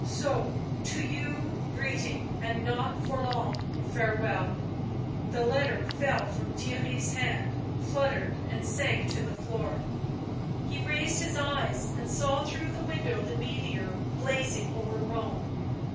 So, to you greeting, and not for long farewell." The letter fell from Theirry' s hand, fluttered and sank to the floor. He raised his eyes and saw through the window the meteor, blazing over Rome.